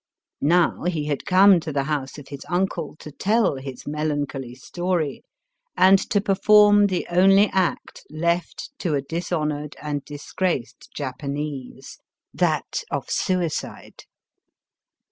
Now he had come to the house of his uncle to tell his melancholy story, and to perform the only act left to a dishonoured and disgraced Japanese — that of suicide.